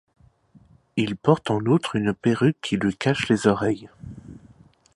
Il porte en outre une perruque qui lui cache les oreilles.